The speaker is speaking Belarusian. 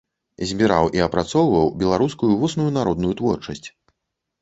Збіраў і апрацоўваў беларускую вусную народную творчасць.